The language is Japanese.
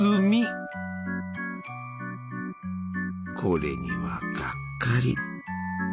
これにはがっかり。